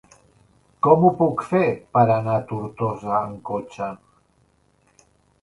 Com ho puc fer per anar a Tortosa amb cotxe?